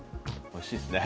おいしいですね。